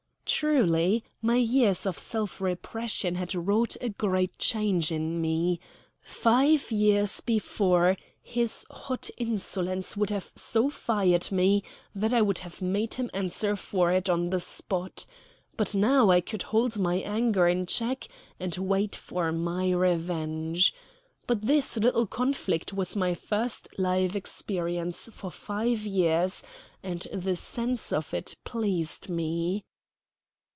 Truly my years of self repression had wrought a great change in me. Five years before his hot insolence would have so fired me that I would have made him answer for it on the spot; but now I could hold my anger in check and wait for my revenge. But this little conflict was my first live experience for five years, and the sense of it pleased me.